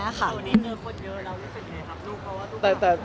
แบบ๑๒๐๐คนเยอะเรารู้สึกไงครับ